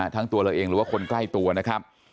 ทั้งตัวเราเองหรือว่าคนใกล้ตัวนะครับ